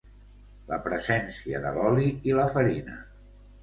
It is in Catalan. la presència de l'oli i la farina